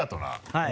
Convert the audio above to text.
はい。